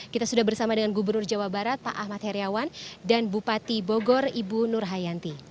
kita sudah bersama dengan gubernur jawa barat pak ahmad heriawan dan bupati bogor ibu nur hayanti